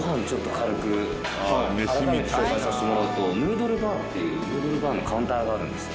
改めて紹介させてもらうとヌードルバーっていうヌードルバーのカウンターがあるんですよ。